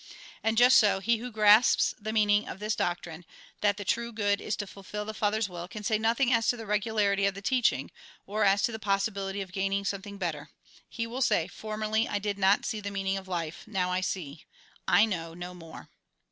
And just so, he who grasps the meaning of this doc trine, that the true good is to fulfil the Father's will, can say nothing as to the regularity of the teaching, or as to the possibility of gaining some thing better. He will say :" Formerly I did not see the meaning of life; now I see. I know no more."